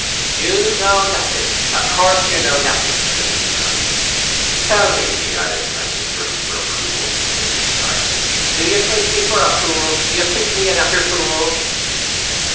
"You—know—nothing. Of course you know nothing," said Mr Alleyne. "Tell me," he added, glancing first for approval to the lady beside him, "do you take me for a fool? Do you think me an utter fool?"